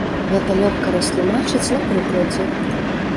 Гэта лёгка растлумачыць на прыкладзе.